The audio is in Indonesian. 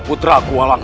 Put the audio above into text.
wereas di sana